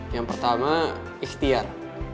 yang pertama ikhtiar